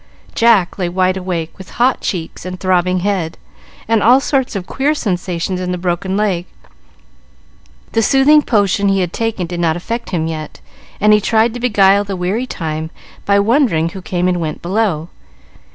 Jack lay wide awake, with hot cheeks, and throbbing head, and all sorts of queer sensations in the broken leg. The soothing potion he had taken did not affect him yet, and he tried to beguile the weary time by wondering who came and went below.